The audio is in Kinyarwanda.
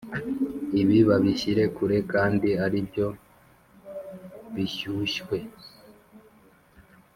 ibi babishyire kure kandi aribyo bishyushye!